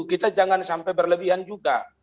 kita jangan sampai berlebihan juga